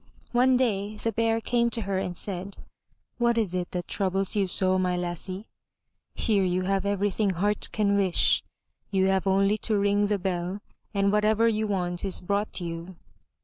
One day the Bear came to her and said, *'What is it that troubles you so, my lassie? Here you have everything heart can wish. You have only to ring the bell and whatever you want is brought you."